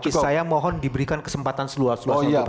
tapi saya mohon diberikan kesempatan seluas luas untuk pak idam